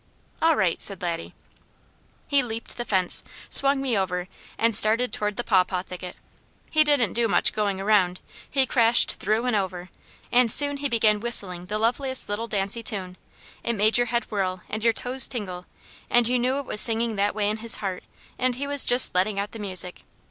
"All right!" said Laddie. He leaped the fence, swung me over, and started toward the pawpaw thicket. He didn't do much going around. He crashed through and over; and soon he began whistling the loveliest little dancy tune. It made your head whirl, and your toes tingle, and you knew it was singing that way in his heart, and he was just letting out the music.